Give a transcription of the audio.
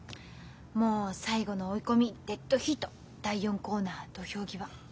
もう最後の追い込みデッドヒート第４コーナー土俵際。